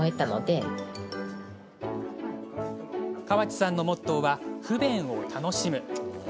川地さんのモットーは不便を楽しむ。